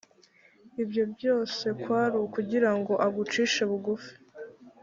ibyo byose kwari ukugira ngo agucishe bugufi